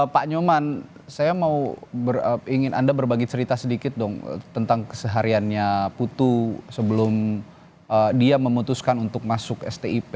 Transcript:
pak nyoman saya mau ingin anda berbagi cerita sedikit dong tentang kesehariannya putu sebelum dia memutuskan untuk masuk stip